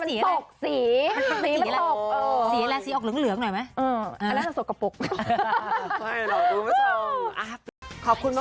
กอร์เนี่ยสีมันเปลี่ยน